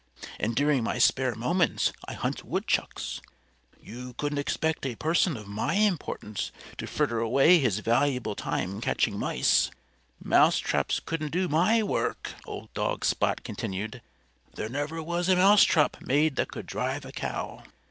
And during my spare moments I hunt woodchucks. You couldn't expect a person of my importance to fritter away his valuable time catching mice. Mousetraps couldn't do my work," old dog Spot continued. "There never was a mousetrap made that could drive a cow."